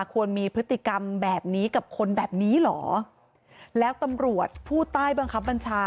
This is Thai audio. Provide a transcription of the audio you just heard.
ควรมีพฤติกรรมแบบนี้กับคนแบบนี้เหรอแล้วตำรวจผู้ใต้บังคับบัญชา